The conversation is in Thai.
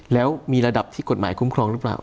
แล้วมีระดับที่กฎหมายคุ้มครองหรือเปล่า